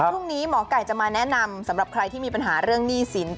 พรุ่งนี้หมอไก่จะมาแนะนำสำหรับใครที่มีปัญหาเรื่องหนี้สิน